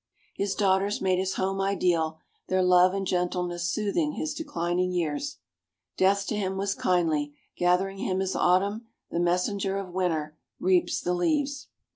His daughters made his home ideal, their love and gentleness soothing his declining years. Death to him was kindly, gathering him as Autumn, the messenger of Winter, reaps the leaves.